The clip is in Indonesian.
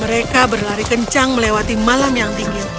mereka berlari kencang melewati malam yang dingin